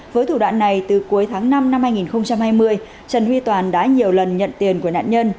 với thủ đoạn này từ cuối tháng năm năm hai nghìn hai mươi trần huy toàn đã nhiều lần nhận tiền của nạn nhân